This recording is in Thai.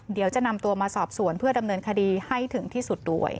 เดี๋ยวจะนำตัวมาสอบสวนเพื่อดำเนินคดีให้ถึงที่สุดด้วย